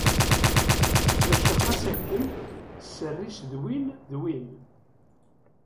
Maca ɣas akken, sser-is d win d win.